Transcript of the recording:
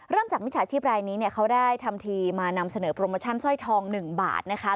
จากมิจฉาชีพรายนี้เขาได้ทำทีมานำเสนอโปรโมชั่นสร้อยทอง๑บาทนะคะ